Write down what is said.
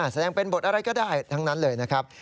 แสดงเป็นบทอะไรก็ได้ทั้งนั้นเลยนะครับ